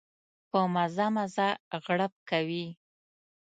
په مزه مزه غړپ کوي.